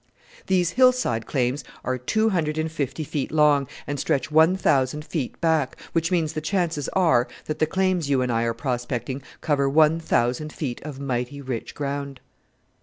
"These hillside claims are two hundred and fifty feet long, and stretch one thousand feet back, which means the chances are that the claims you and I are prospecting cover one thousand feet of mighty rich ground."